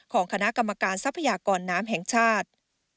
ของคณะกรรมการทรัพยากรน้ำแห่งชาติ